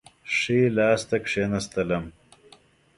ښي لاس ته کښېنستلم.